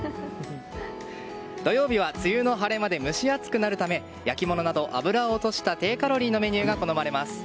土曜日は梅雨の晴れ間で蒸し暑くなるため焼き物など、脂を落とした低カロリーのメニューが好まれます。